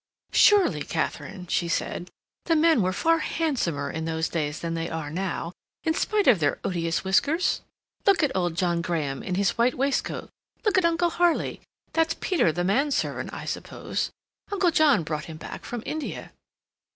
"Surely, Katharine," she said, "the men were far handsomer in those days than they are now, in spite of their odious whiskers? Look at old John Graham, in his white waistcoat—look at Uncle Harley. That's Peter the manservant, I suppose. Uncle John brought him back from India."